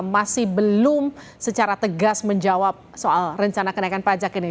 masih belum secara tegas menjawab soal rencana kenaikan pajak ini